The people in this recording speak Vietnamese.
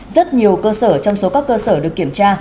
rất nhiều cơ sở trong số các cơ sở được kiểm tra